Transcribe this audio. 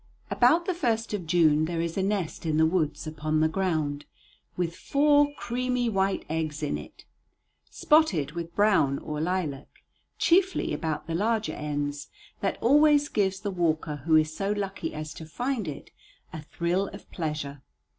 About the first of June there is a nest in the woods, upon the ground, with four creamy white eggs in it, spotted with brown or lilac, chiefly about the larger ends, that always gives the walker who is so lucky as to find it a thrill of pleasure.